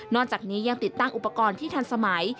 จากนี้ยังติดตั้งอุปกรณ์ที่ทันสมัย